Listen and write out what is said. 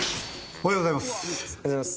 おはようございます。